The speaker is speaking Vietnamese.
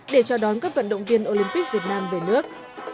để chào đón các vận động viên olympic việt nam về nước